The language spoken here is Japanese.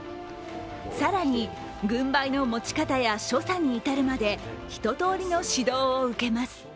更に軍配の持ち方や所作に至るまで一とおりの指導を受けます。